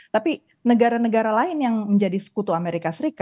tapi negara negara lain yang menjadi sekutu amerika serikat